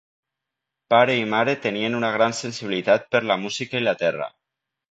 Pare i mare tenien una gran sensibilitat per la música i la terra.